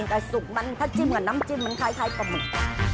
กับสุกมันถ้าจิ้มกับน้ำจิ้มมันคล้ายปลาหมึก